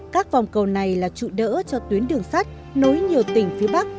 các vòng cầu này là trụ đỡ cho tuyến đường sắt nối nhiều tỉnh phía bắc